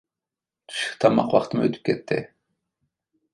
چۈشلۈك تاماق ۋاقتىمۇ ئۆتۈپ كەتتى.